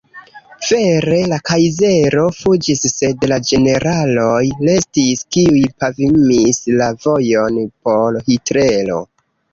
Vere, la kajzero fuĝis sed la generaloj restis, kiuj pavimis la vojon por Hitlero.